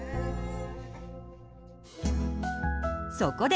そこで！